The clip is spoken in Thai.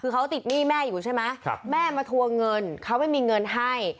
คือเขาติดหนี้แม่อยู่ใช่ไหมแม่มาทวงเงินเขาไม่มีเงินให้